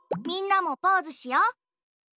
みんなもポーズしよ。